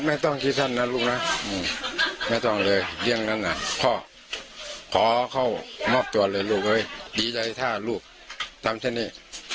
ไม่ต้องคิดสั้นนะลูกนะไม่ต้องเลยอย่างนั้นพ่อขอเข้ามอบตัวเลยลูกเอ้ยดีใจถ้าลูกทำเช่นนี้